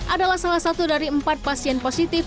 adalah salah satu dari empat pasien positif